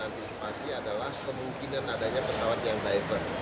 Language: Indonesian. antisipasi adalah kemungkinan adanya pesawat yang diver